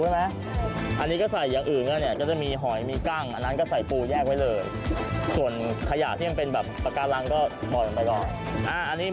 มันจะหนีบผมไหม